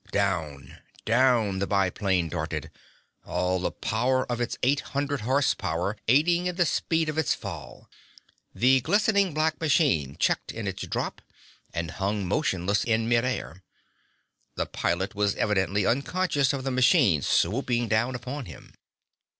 Down, down, the biplane darted, all the power of its eight hundred horse power aiding in the speed of its fall. The glistening black machine checked in its drop and hung motionless in mid air. The pilot was evidently unconscious of the machine swooping down upon him.